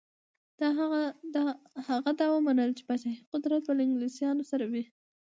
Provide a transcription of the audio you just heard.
هغه دا ومنله چې پاچهي قدرت به له انګلیسیانو سره وي.